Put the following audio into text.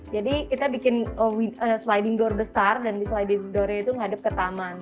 jadi kita bikin sliding door besar dan sliding doornya itu ngadep ke taman